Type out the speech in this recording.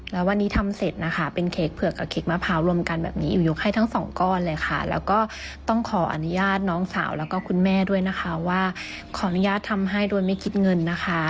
แล้ววันนี้ทำเสร็จนะคะเป็นเค้กเผือกกับเค้กมะพร้าวรวมกันแบบนี้อิ๋วยกให้ทั้งสองก้อนเลยค่ะแล้วก็ต้องขออนุญาตน้องสาวแล้วก็คุณแม่ด้วยนะคะว่าขออนุญาตทำให้โดยไม่คิดเงินนะคะ